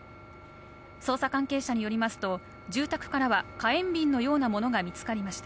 捜査関係者によりますと、住宅からは火炎瓶のようなものが見つかりました。